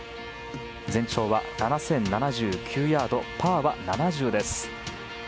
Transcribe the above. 全長は７０７９ヤードパーは７０です。